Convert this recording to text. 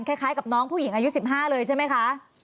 คล้ายกับน้องผู้หญิงอายุ๑๕เลยใช่ไหมคะ